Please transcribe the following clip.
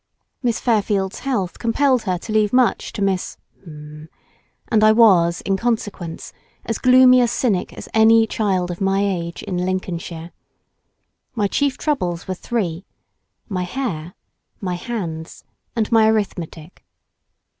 Miss Fairfield's health compelled her to leave much to Miss ——, and I was, in consequence, as gloomy a cynic as any child of my age in Lincolnshire. My chief troubles were three—my hair, my bands, and my arithmetic.